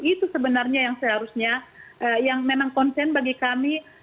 itu sebenarnya yang seharusnya yang memang konsen bagi kami